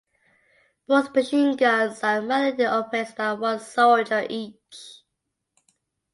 Both machine guns are manually operates by one soldier each.